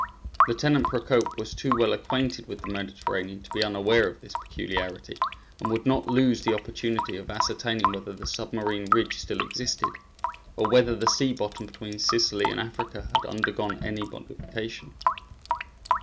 Lieutenant Procope was too well acquainted with the Mediterranean to be unaware of this peculiarity, and would not lose the opportunity of ascertaining whether the submarine ridge still existed, or whether the sea bottom between Sicily and Africa had undergone any modification.